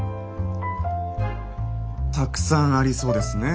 たくさんありそうですね。